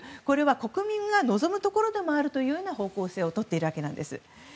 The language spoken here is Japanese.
これは国民が望むところでもあるという方向性をとっているんです。